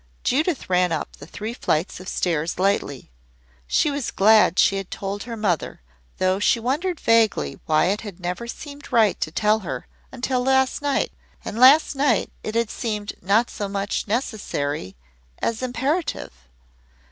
Judith ran up the three flights of stairs lightly. She was glad she had told her mother, though she wondered vaguely why it had never seemed right to tell her until last night, and last night it had seemed not so much necessary as imperative.